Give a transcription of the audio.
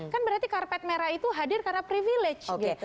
kan berarti karpet merah itu hadir karena privilege